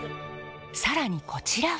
更にこちらは。